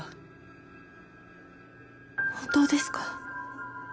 本当ですか？